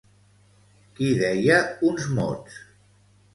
Qui deia uns mots?